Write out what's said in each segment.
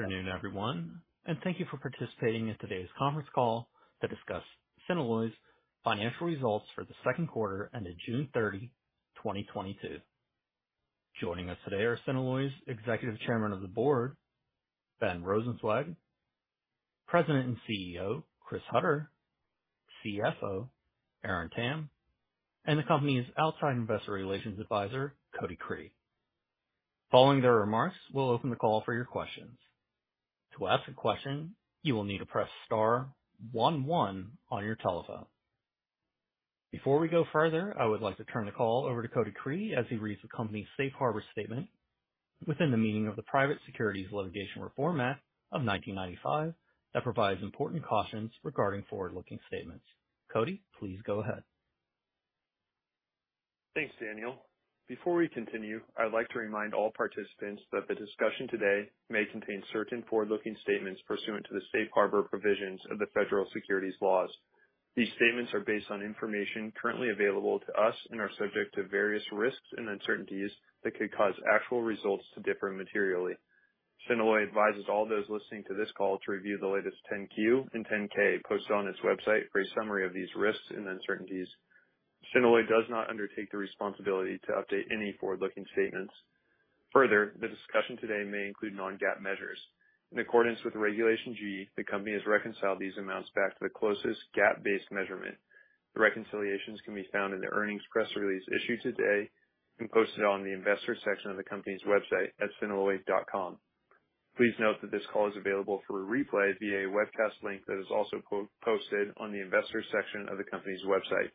Afternoon, everyone, and thank you for participating in today's conference call to discuss Synalloy's financial results for the second quarter ended June 30, 2022. Joining us today are Synalloy's Executive Chairman of the Board, Ben Rosenzweig, President and CEO, Chris Hutter, CFO, Aaron Tam, and the company's outside investor relations advisor, Cody Cree. Following their remarks, we'll open the call for your questions. To ask a question, you will need to press star one one on your telephone. Before we go further, I would like to turn the call over to Cody Cree as he reads the company's safe harbor statement within the meaning of the Private Securities Litigation Reform Act of 1995, that provides important cautions regarding forward-looking statements. Cody, please go ahead. Thanks, Daniel. Before we continue, I'd like to remind all participants that the discussion today may contain certain forward-looking statements pursuant to the safe harbor provisions of the federal securities laws. These statements are based on information currently available to us and are subject to various risks and uncertainties that could cause actual results to differ materially. Synalloy advises all those listening to this call to review the latest 10-Q and 10-K posted on its website for a summary of these risks and uncertainties. Synalloy does not undertake the responsibility to update any forward-looking statements. Further, the discussion today may include non-GAAP measures. In accordance with Regulation G, the company has reconciled these amounts back to the closest GAAP-based measurement. The reconciliations can be found in the earnings press release issued today and posted on the investors section of the company's website at synalloy.com. Please note that this call is available for replay via a webcast link that is also posted on the investors section of the company's website.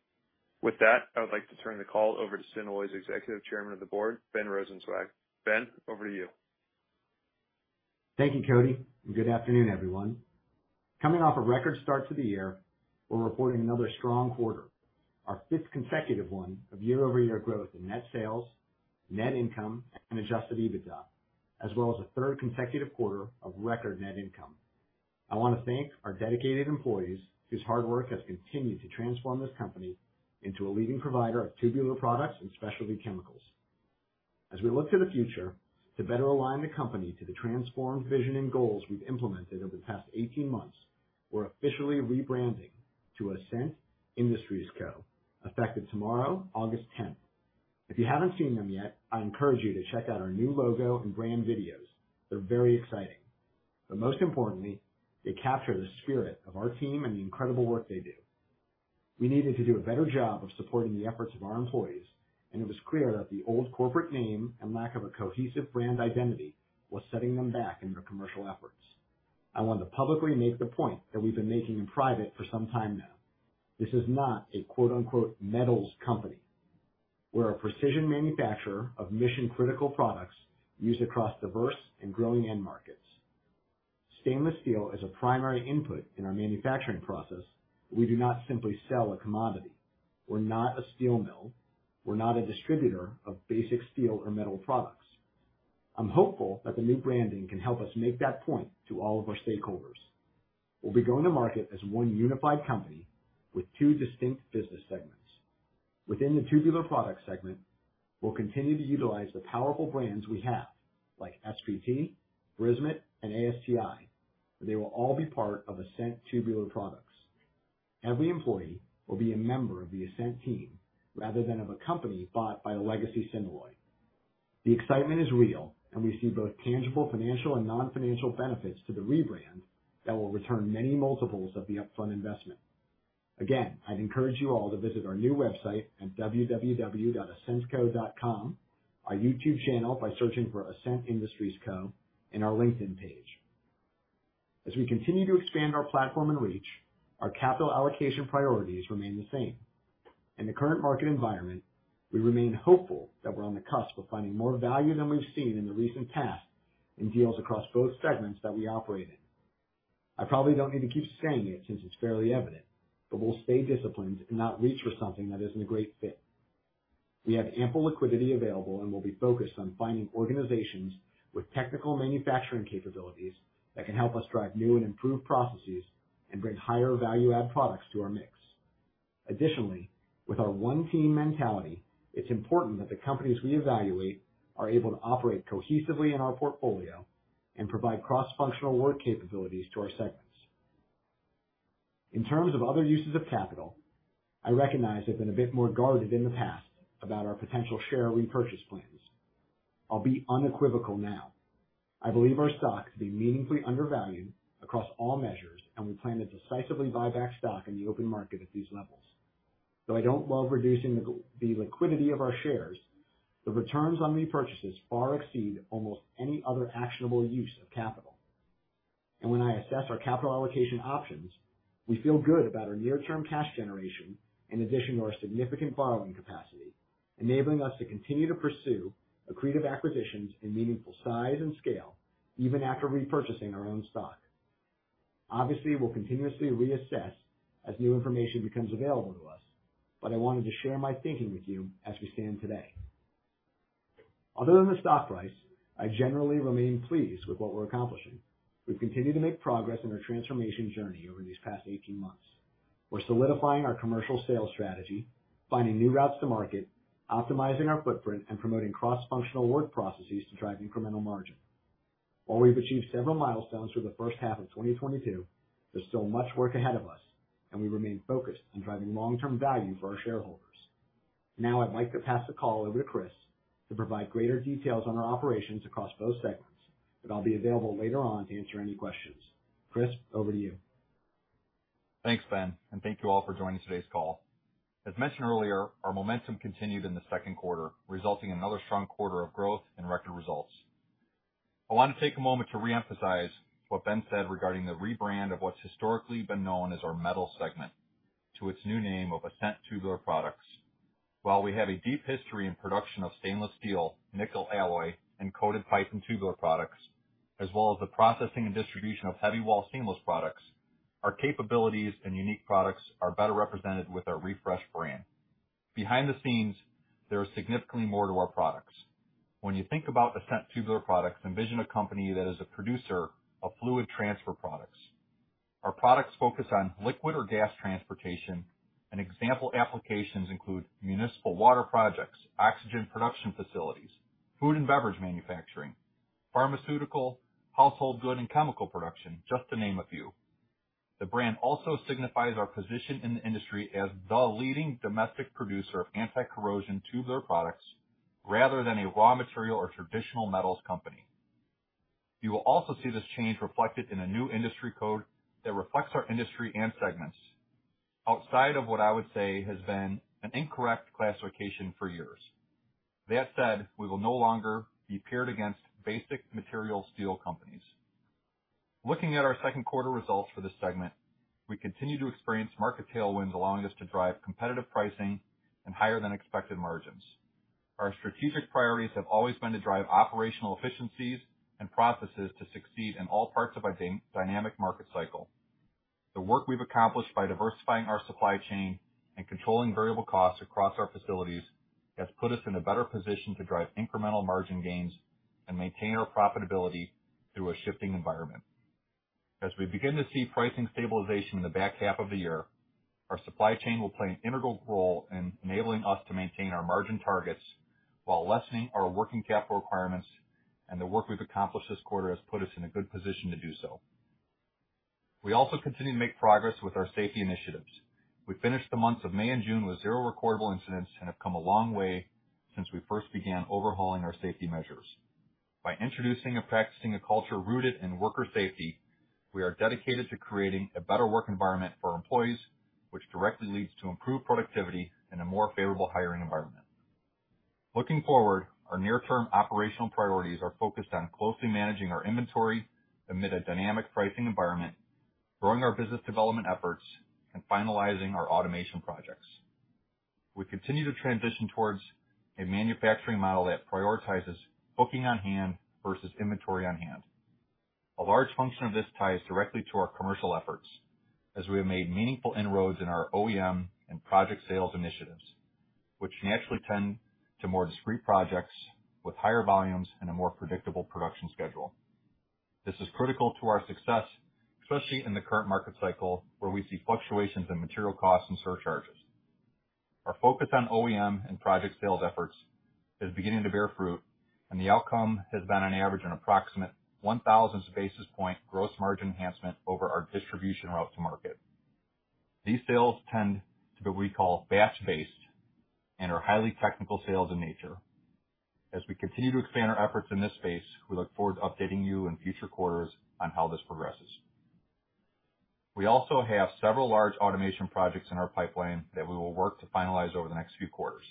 With that, I would like to turn the call over to Synalloy's Executive Chairman of the Board, Ben Rosenzweig. Ben, over to you. Thank you, Cody, and good afternoon, everyone. Coming off a record start to the year, we're reporting another strong quarter, our fifth consecutive one of year-over-year growth in net sales, net income, and adjusted EBITDA, as well as a third consecutive quarter of record net income. I wanna thank our dedicated employees, whose hard work has continued to transform this company into a leading provider of tubular products and specialty chemicals. As we look to the future to better align the company to the transformed vision and goals we've implemented over the past eighteen months, we're officially rebranding to Ascent Industries Co., effective tomorrow, August tenth. If you haven't seen them yet, I encourage you to check out our new logo and brand videos. They're very exciting. Most importantly, they capture the spirit of our team and the incredible work they do. We needed to do a better job of supporting the efforts of our employees, and it was clear that the old corporate name and lack of a cohesive brand identity was setting them back in their commercial efforts. I want to publicly make the point that we've been making in private for some time now. This is not a quote unquote "metals company." We're a precision manufacturer of mission-critical products used across diverse and growing end markets. Stainless steel is a primary input in our manufacturing process, but we do not simply sell a commodity. We're not a steel mill. We're not a distributor of basic steel or metal products. I'm hopeful that the new branding can help us make that point to all of our stakeholders. We'll be going to market as one unified company with two distinct business segments. Within the Tubular Products segment, we'll continue to utilize the powerful brands we have, like SPT, BRISMET, and ASTI, but they will all be part of Ascent Tubular Products. Every employee will be a member of the Ascent team rather than of a company bought by a legacy Synalloy. The excitement is real, and we see both tangible financial and non-financial benefits to the rebrand that will return many multiples of the upfront investment. Again, I'd encourage you all to visit our new website at www.ascentco.com, our YouTube channel by searching for Ascent Industries Co., and our LinkedIn page. As we continue to expand our platform and reach, our capital allocation priorities remain the same. In the current market environment, we remain hopeful that we're on the cusp of finding more value than we've seen in the recent past in deals across both segments that we operate in. I probably don't need to keep saying it since it's fairly evident, but we'll stay disciplined and not reach for something that isn't a great fit. We have ample liquidity available and will be focused on finding organizations with technical manufacturing capabilities that can help us drive new and improved processes and bring higher value add products to our mix. Additionally, with our one team mentality, it's important that the companies we evaluate are able to operate cohesively in our portfolio and provide cross-functional work capabilities to our segments. In terms of other uses of capital, I recognize I've been a bit more guarded in the past about our potential share repurchase plans. I'll be unequivocal now. I believe our stock to be meaningfully undervalued across all measures, and we plan to decisively buy back stock in the open market at these levels. Though I don't love reducing the the liquidity of our shares, the returns on repurchases far exceed almost any other actionable use of capital. When I assess our capital allocation options, we feel good about our near-term cash generation in addition to our significant borrowing capacity, enabling us to continue to pursue accretive acquisitions in meaningful size and scale even after repurchasing our own stock. Obviously, we'll continuously reassess as new information becomes available to us, but I wanted to share my thinking with you as we stand today. Other than the stock price, I generally remain pleased with what we're accomplishing. We've continued to make progress in our transformation journey over these past 18 months. We're solidifying our commercial sales strategy, finding new routes to market, optimizing our footprint, and promoting cross-functional work processes to drive incremental margin. While we've achieved several milestones through the first half of 2022, there's still much work ahead of us, and we remain focused on driving long-term value for our shareholders. Now I'd like to pass the call over to Chris to provide greater details on our operations across both segments. I'll be available later on to answer any questions. Chris, over to you. Thanks, Ben, and thank you all for joining today's call. As mentioned earlier, our momentum continued in the second quarter, resulting in another strong quarter of growth and record results. I wanna take a moment to reemphasize what Ben said regarding the rebrand of what's historically been known as our metals segment to its new name of Ascent Tubular Products. While we have a deep history in production of stainless steel, nickel alloy, and coated pipe and tubular products, as well as the processing and distribution of heavy wall stainless products, our capabilities and unique products are better represented with our refreshed brand. Behind the scenes, there is significantly more to our products. When you think about Ascent Tubular Products, envision a company that is a producer of fluid transfer products. Our products focus on liquid or gas transportation, and example applications include municipal water projects, oxygen production facilities, food and beverage manufacturing, pharmaceutical, household good, and chemical production, just to name a few. The brand also signifies our position in the industry as the leading domestic producer of anti-corrosion tubular products, rather than a raw material or traditional metals company. You will also see this change reflected in a new industry code that reflects our industry and segments outside of what I would say has been an incorrect classification for years. That said, we will no longer be paired against basic material steel companies. Looking at our second quarter results for this segment, we continue to experience market tailwinds allowing us to drive competitive pricing and higher than expected margins. Our strategic priorities have always been to drive operational efficiencies and processes to succeed in all parts of our dynamic market cycle. The work we've accomplished by diversifying our supply chain and controlling variable costs across our facilities has put us in a better position to drive incremental margin gains and maintain our profitability through a shifting environment. As we begin to see pricing stabilization in the back half of the year, our supply chain will play an integral role in enabling us to maintain our margin targets while lessening our working capital requirements, and the work we've accomplished this quarter has put us in a good position to do so. We also continue to make progress with our safety initiatives. We finished the months of May and June with 0 recordable incidents and have come a long way since we first began overhauling our safety measures. By introducing and practicing a culture rooted in worker safety, we are dedicated to creating a better work environment for our employees, which directly leads to improved productivity and a more favorable hiring environment. Looking forward, our near-term operational priorities are focused on closely managing our inventory amid a dynamic pricing environment, growing our business development efforts, and finalizing our automation projects. We continue to transition towards a manufacturing model that prioritizes booking on hand versus inventory on hand. A large function of this ties directly to our commercial efforts, as we have made meaningful inroads in our OEM and project sales initiatives, which naturally tend to more discrete projects with higher volumes and a more predictable production schedule. This is critical to our success, especially in the current market cycle, where we see fluctuations in material costs and surcharges. Our focus on OEM and project sales efforts is beginning to bear fruit, and the outcome has been on average an approximate 100 basis point gross margin enhancement over our distribution route to market. These sales tend to be what we call batch-based and are highly technical sales in nature. As we continue to expand our efforts in this space, we look forward to updating you in future quarters on how this progresses. We also have several large automation projects in our pipeline that we will work to finalize over the next few quarters.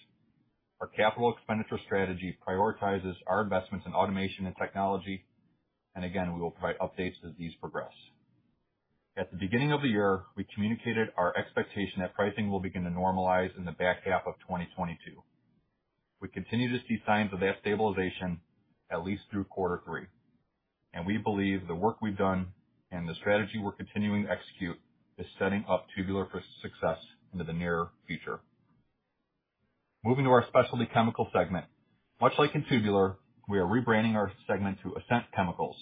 Our capital expenditure strategy prioritizes our investments in automation and technology, and again, we will provide updates as these progress. At the beginning of the year, we communicated our expectation that pricing will begin to normalize in the back half of 2022. We continue to see signs of that stabilization at least through quarter three, and we believe the work we've done and the strategy we're continuing to execute is setting up Tubular for success into the nearer future. Moving to our Specialty Chemicals segment. Much like in Tubular, we are rebranding our segment to Ascent Chemicals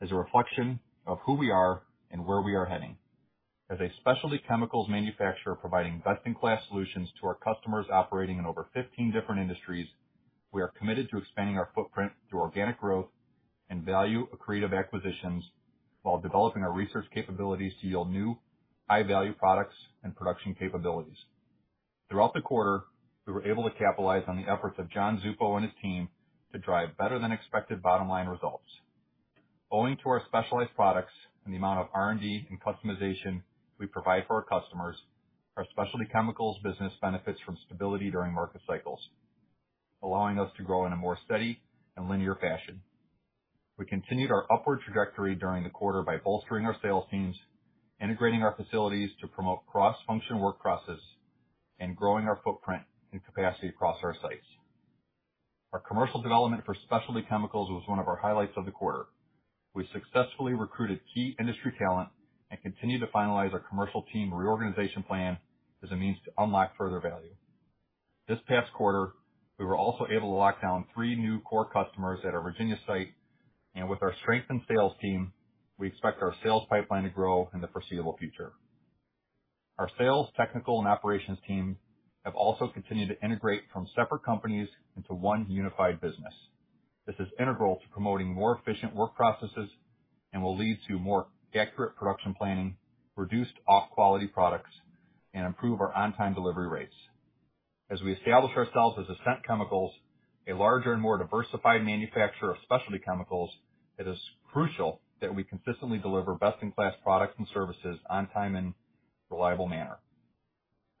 as a reflection of who we are and where we are heading. As a specialty chemicals manufacturer providing best-in-class solutions to our customers operating in over 15 different industries, we are committed to expanding our footprint through organic growth and value accretive acquisitions while developing our research capabilities to yield new high-value products and production capabilities. Throughout the quarter, we were able to capitalize on the efforts of John Zuppo and his team to drive better than expected bottom line results. Owing to our specialized products and the amount of R&D and customization we provide for our customers, our Specialty Chemicals business benefits from stability during market cycles, allowing us to grow in a more steady and linear fashion. We continued our upward trajectory during the quarter by bolstering our sales teams, integrating our facilities to promote cross-functional work process, and growing our footprint and capacity across our sites. Our commercial development for Specialty Chemicals was one of our highlights of the quarter. We successfully recruited key industry talent and continue to finalize our commercial team reorganization plan as a means to unlock further value. This past quarter, we were also able to lock down three new core customers at our Virginia site. With our strengthened sales team, we expect our sales pipeline to grow in the foreseeable future. Our sales, technical, and operations teams have also continued to integrate from separate companies into one unified business. This is integral to promoting more efficient work processes and will lead to more accurate production planning, reduced off-quality products, and improve our on-time delivery rates. As we establish ourselves as Ascent Chemicals, a larger and more diversified manufacturer of specialty chemicals, it is crucial that we consistently deliver best-in-class products and services on time in reliable manner.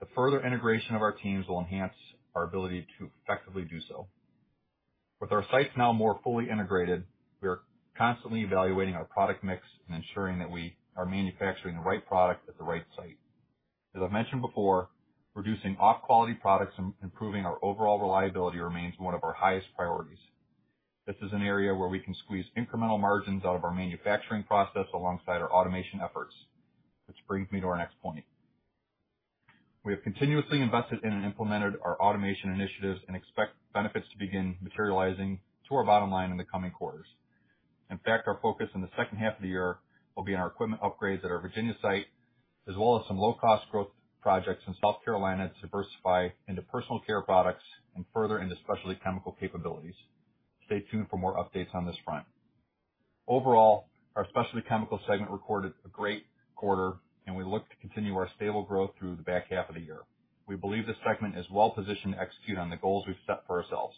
The further integration of our teams will enhance our ability to effectively do so. With our sites now more fully integrated, we are constantly evaluating our product mix and ensuring that we are manufacturing the right product at the right site. As I mentioned before, reducing off-quality products and improving our overall reliability remains one of our highest priorities. This is an area where we can squeeze incremental margins out of our manufacturing process alongside our automation efforts, which brings me to our next point. We have continuously invested in and implemented our automation initiatives and expect benefits to begin materializing to our bottom line in the coming quarters. In fact, our focus on the second half of the year will be on our equipment upgrades at our Virginia site, as well as some low-cost growth projects in South Carolina to diversify into personal care products and further into specialty chemical capabilities. Stay tuned for more updates on this front. Overall, our specialty chemical segment recorded a great quarter, and we look to continue our stable growth through the back half of the year. We believe this segment is well-positioned to execute on the goals we've set for ourselves.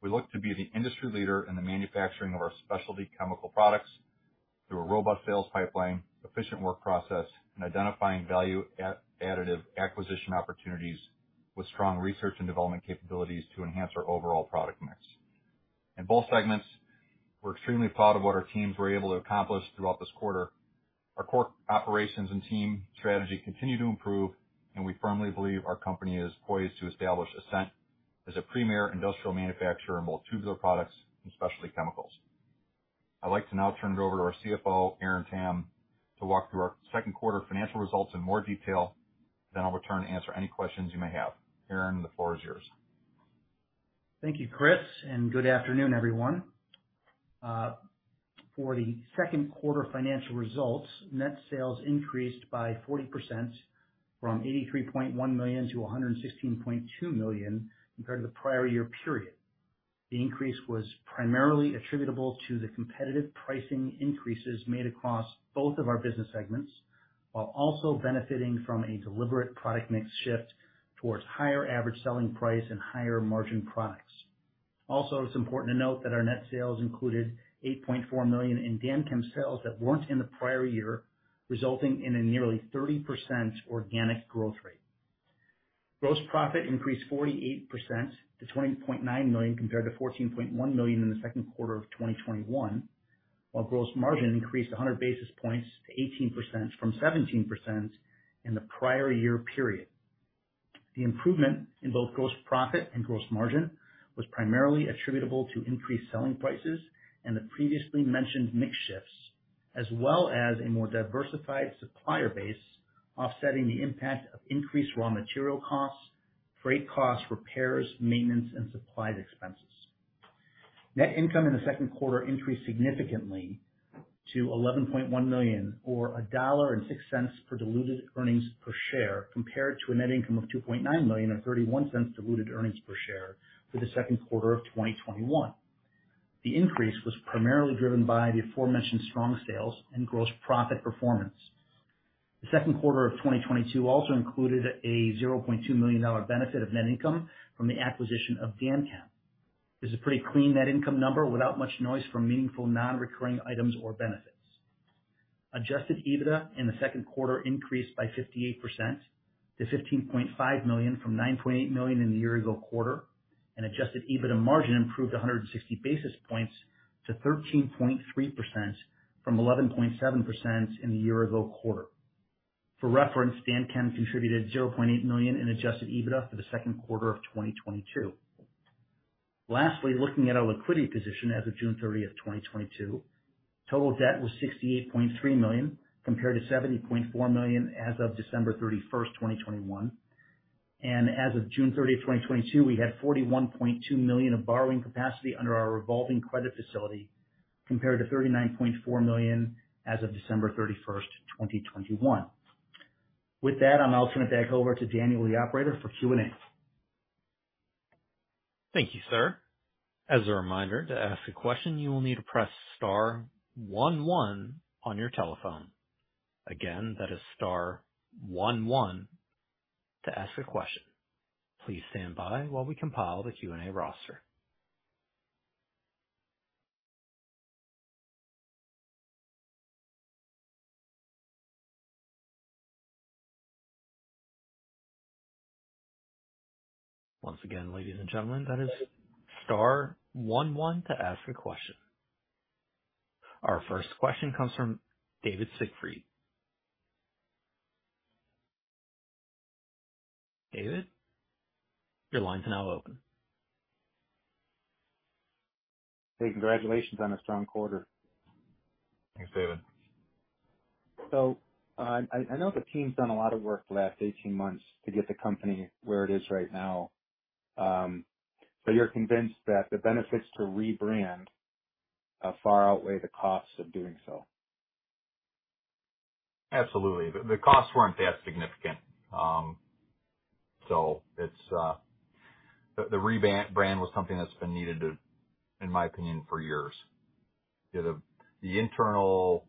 We look to be the industry leader in the manufacturing of our specialty chemical products through a robust sales pipeline, efficient work process, and identifying value additive acquisition opportunities with strong research and development capabilities to enhance our overall product mix. In both segments, we're extremely proud of what our teams were able to accomplish throughout this quarter. Our core operations and team strategy continue to improve, and we firmly believe our company is poised to establish Ascent as a premier industrial manufacturer in both tubular products and specialty chemicals. I'd like to now turn it over to our CFO, Aaron Tam, to walk through our second quarter financial results in more detail. Then I'll return to answer any questions you may have. Aaron, the floor is yours. Thank you, Chris, and good afternoon, everyone. For the second quarter financial results, net sales increased by 40% from $83.1 million to $116.2 million compared to the prior year period. The increase was primarily attributable to the competitive pricing increases made across both of our business segments, while also benefiting from a deliberate product mix shift towards higher average selling price and higher margin products. Also, it's important to note that our net sales included $8.4 million in DanChem sales that weren't in the prior year, resulting in a nearly 30% organic growth rate. Gross profit increased 48% to $20.9 million compared to $14.1 million in the second quarter of 2021. While gross margin increased 100 basis points to 18% from 17% in the prior year period. The improvement in both gross profit and gross margin was primarily attributable to increased selling prices and the previously mentioned mix shifts, as well as a more diversified supplier base, offsetting the impact of increased raw material costs, freight costs, repairs, maintenance, and supplies expenses. Net income in the second quarter increased significantly to $11.1 million or $1.06 per diluted earnings per share, compared to a net income of $2.9 million or 31 cents diluted earnings per share for the second quarter of 2021. The increase was primarily driven by the aforementioned strong sales and gross profit performance. The second quarter of 2022 also included a $0.2 million dollar benefit of net income from the acquisition of DanChem. This is a pretty clean net income number without much noise from meaningful non-recurring items or benefits. Adjusted EBITDA in the second quarter increased by 58% to $15.5 million from $9.8 million in the year ago quarter. Adjusted EBITDA margin improved 160 basis points to 13.3% from 11.7% in the year ago quarter. For reference, DanChem contributed $0.8 million in adjusted EBITDA for the second quarter of 2022. Lastly, looking at our liquidity position as of June 30, 2022, total debt was $68.3 million compared to $70.4 million as of December 31, 2021. As of June 30, 2022, we had $41.2 million of borrowing capacity under our revolving credit facility compared to $39.4 million as of December 31, 2021. With that, I'll now turn it back over to Daniel, the operator, for Q&A. Thank you, sir. As a reminder, to ask a question, you will need to press star one one on your telephone. Again, that is star one one to ask a question. Please stand by while we compile the Q&A roster. Once again, ladies and gentlemen, that is star one one to ask a question. Our first question comes from David Siegfried. David, your line is now open. Hey, congratulations on a strong quarter. Thanks, David. I know the team's done a lot of work the last 18 months to get the company where it is right now, so you're convinced that the benefits to rebrand far outweigh the costs of doing so? Absolutely. The costs weren't that significant. It's the rebrand was something that's been needed, too, in my opinion, for years. You know, the internal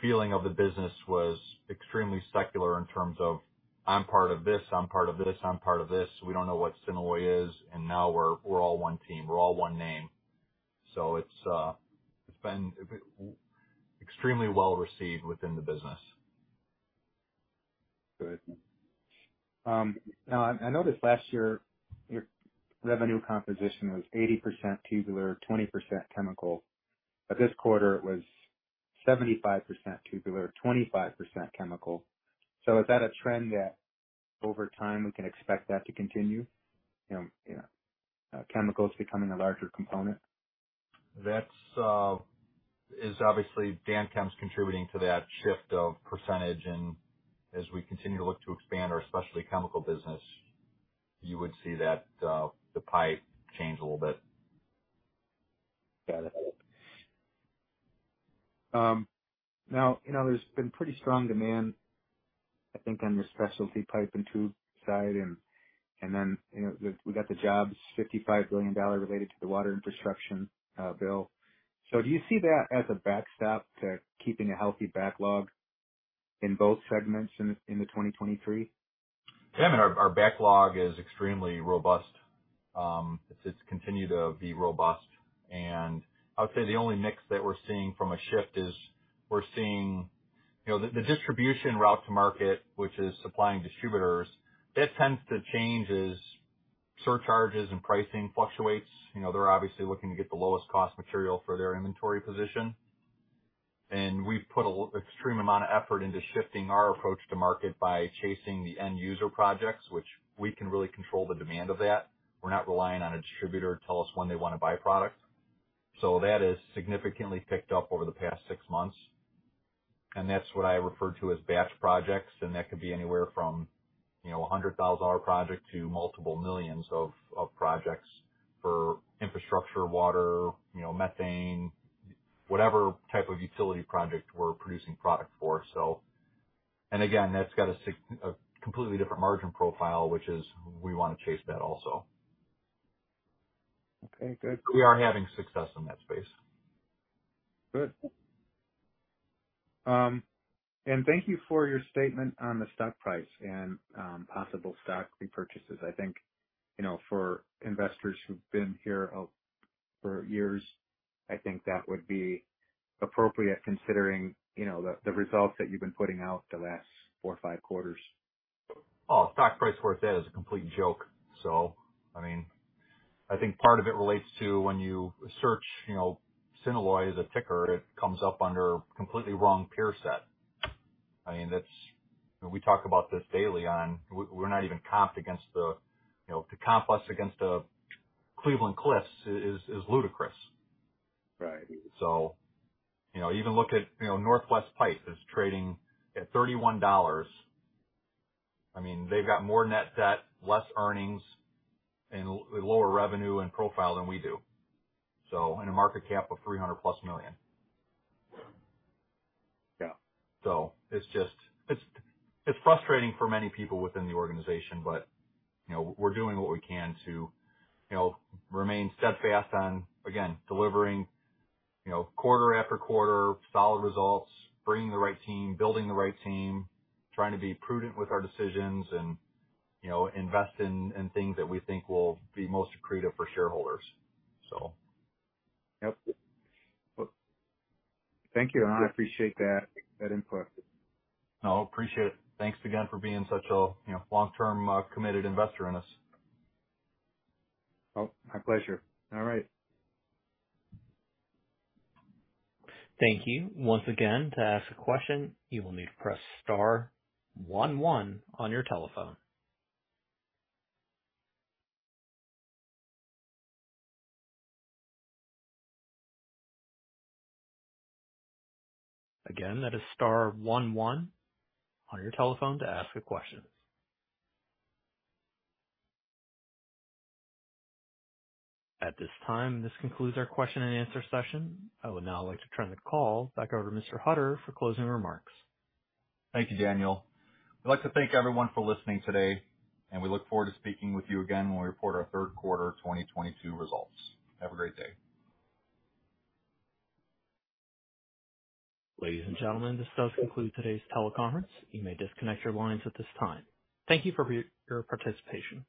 feeling of the business was extremely siloed in terms of I'm part of this. We don't know what Synalloy is, and now we're all one team. We're all one name. It's been extremely well received within the business. Good. Now I noticed last year your revenue composition was 80% tubular, 20% chemical, but this quarter it was 75% tubular, 25% chemical. Is that a trend that over time we can expect that to continue, you know, chemicals becoming a larger component? That's. It's obviously DanChem's contributing to that shift of percentage, and as we continue to look to expand our specialty chemical business, you would see that the pipe change a little bit. Got it. Now, you know, there's been pretty strong demand, I think, on your specialty pipe and tube side and then, you know, we got the jobs, $55 billion related to the water infrastructure bill. Do you see that as a backstop to keeping a healthy backlog in both segments in 2023? Yeah, I mean, our backlog is extremely robust. It's continued to be robust. I would say the only mix that we're seeing from a shift is we're seeing the distribution route to market, which is supplying distributors, that tends to change as surcharges and pricing fluctuates. You know, they're obviously looking to get the lowest cost material for their inventory position. We've put an extreme amount of effort into shifting our approach to market by chasing the end user projects, which we can really control the demand of that. We're not relying on a distributor to tell us when they wanna buy product. That has significantly picked up over the past six months. That's what I refer to as batch projects, and that could be anywhere from, you know, a $100,000 project to multiple millions of projects for infrastructure, water, you know, methane, whatever type of utility project we're producing product for. Again, that's got a completely different margin profile, which is we wanna chase that also. Okay, good. We are having success in that space. Good. Thank you for your statement on the stock price and possible stock repurchases. I think, you know, for investors who've been here for years, I think that would be appropriate considering, you know, the results that you've been putting out the last four or five quarters. Oh, stock price where it's at is a complete joke. I mean, I think part of it relates to when you search, you know, Synalloy as a ticker, it comes up under completely wrong peer set. I mean, it's, you know, we talk about this daily on, we're not even comped against the, you know, to comp us against Cleveland-Cliffs is ludicrous. Right. You know, even look at, you know, Northwest Pipe is trading at $31. I mean, they've got more net debt, less earnings, and lower revenue and profile than we do, and a market cap of $300+ million. Yeah. It's frustrating for many people within the organization, but, you know, we're doing what we can to, you know, remain steadfast on, again, delivering, you know, quarter after quarter solid results, bringing the right team, building the right team, trying to be prudent with our decisions and, you know, invest in things that we think will be most accretive for shareholders. Yep. Thank you. I appreciate that input. No, appreciate it. Thanks again for being such a, you know, long-term, committed investor in us. Oh, my pleasure. All right. Thank you. Once again, to ask a question, you will need to press star one one on your telephone. Again, that is star one one on your telephone to ask a question. At this time, this concludes our question and answer session. I would now like to turn the call back over to Mr. Hutter for closing remarks. Thank you, Daniel. We'd like to thank everyone for listening today, and we look forward to speaking with you again when we report our third quarter 2022 results. Have a great day. Ladies and gentlemen, this does conclude today's teleconference. You may disconnect your lines at this time. Thank you for your participation.